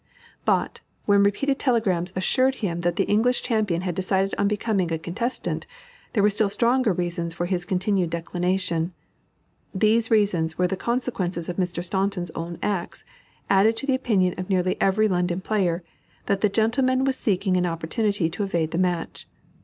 But, when repeated telegrams assured him that the English champion had decided on becoming a contestant, there were still stronger reasons for his continued declination. These reasons were the consequences of Mr. Staunton's own acts, added to the opinion of nearly every London player, that that gentleman was seeking an opportunity to evade the match.